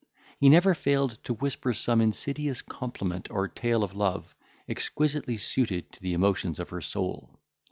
he never failed to whisper some insidious compliment or tale of love, exquisitely suited to the emotions of her soul.